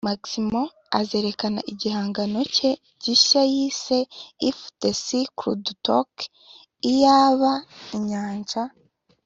Maximo azerekana igihangano cye gishya yise If the Sea could talk (Iyaba inyanja